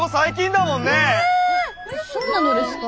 そうなのですか？